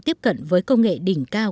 tiếp cận với công nghệ đỉnh cao